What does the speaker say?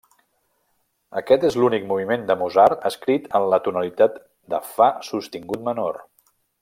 Aquest és l'únic moviment de Mozart escrit en la tonalitat de fa sostingut menor.